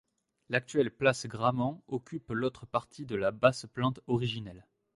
L'actuelle place Gramont occupe l'autre partie de la basse-plante originelle.